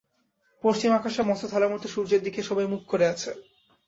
পশ্চিম আকাশের মস্ত থালার মতো সূর্যের দিকে সবাই মুখ করে আছে।